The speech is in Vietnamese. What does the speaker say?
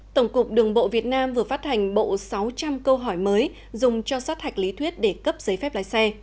tổng cục đường bộ việt nam vừa phát hành bộ sáu trăm linh câu hỏi mới dùng cho sát hạch lý thuyết để cấp giấy phép lái xe